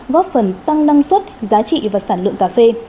góp phần tăng năng suất giá trị và sản lượng cà phê